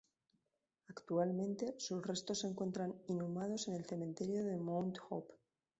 Actualmente, sus restos se encuentran inhumados en el cementerio de Mount Hope.